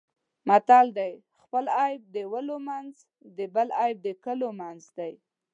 متل دی: خپل عیب د ولو منځ د بل عیب د کلو منځ دی.